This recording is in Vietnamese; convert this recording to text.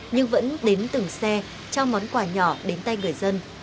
nhưng vẫn đến từng xe trao món quà nhỏ đến tay người dân